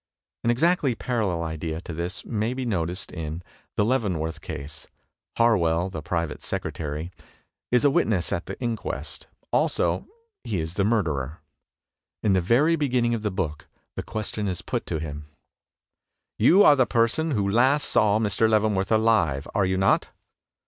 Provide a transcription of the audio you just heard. An exactly parallel idea to this may be noticed in "The Leavenworth Case." Harwell, the private secretary, is a witness at the inquest. Also, he is the murderer. In the very beginning of the book the question is put to him: "You are the person who last saw Mr. Leavenworth alive, are you not?"